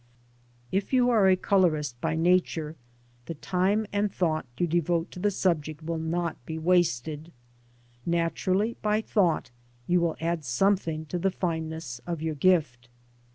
If you are a colourist by nature, the time and thought you devote to the subject will not be wasted ; naturally, by thought, you will add something to the fineness of your gift.